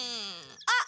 あっ。